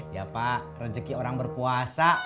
iya pak rezeki orang berpuasa